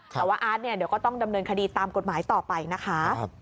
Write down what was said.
แต่ว่าอาร์ตเนี่ยเดี๋ยวก็ต้องดำเนินคดีตามกฎหมายต่อไปนะคะ